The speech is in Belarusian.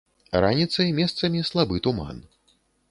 Раніцай месцамі слабы туман.